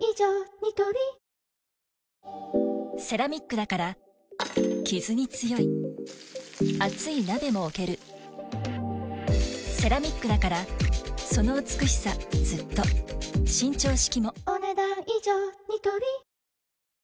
ニトリセラミックだからキズに強い熱い鍋も置けるセラミックだからその美しさずっと伸長式もお、ねだん以上。